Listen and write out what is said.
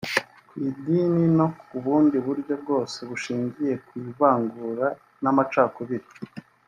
ku idini no ku bundi buryo bwose bushingiye ku ivangura n’amacakubiri